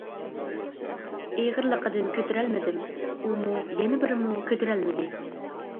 ئېغىرلىقىدىن كۆتۈرەلمىدىم، ئۇمۇ، يەنە بىرىمۇ كۆتۈرەلمىدى.